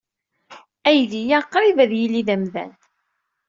Aydi-a qrib ad yili d amdan.